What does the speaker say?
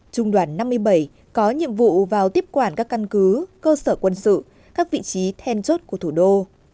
trung đoàn năm mươi bảy có nhiệm vụ vào tiếp quản các căn cứ cơ sở quân sự các vị trí then chốt của thủ đô